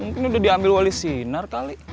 mungkin udah diambil wali sinar kali